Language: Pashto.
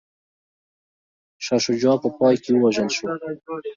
شاه شجاع په پای کي ووژل شو.